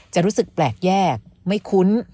จะรู้สึกแปลกแยกไม่คุ้น